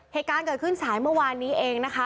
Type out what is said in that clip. เหตุการณ์เกิดขึ้นสายเมื่อวานนี้เองนะคะ